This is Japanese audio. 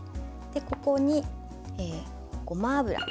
ここにごま油。